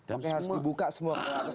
apa yang harus dibuka semua orang